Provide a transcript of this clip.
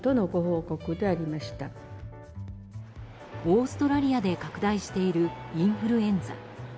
オーストラリアで拡大しているインフルエンザ。